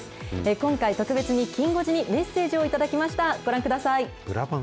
今回、特別にきん５時にメッセージを頂きました。